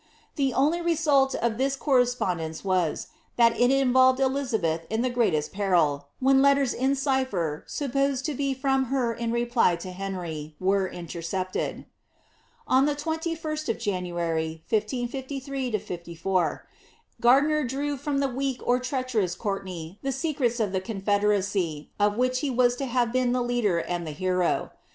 The only re mit of this correspondence was, that it involved Elizabeth in the greatest peril, when letters in cipher, supposed to be from her in reply to Henry, were intereepted. . Ob the 21 at of January, 1558 4, Gardiner drew from the weak or tnaelieroue Coortenay the secrets of the confederacy, of which he was lo have been the leader and the hero.